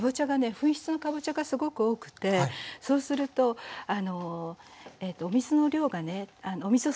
粉質のかぼちゃがすごく多くてそうするとお水の量がねお水を吸いやすいんですね。